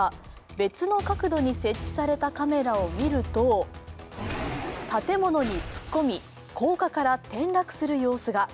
別の角度に設置されたカメラを見ると建物に突っ込み、高架から転落する様子が。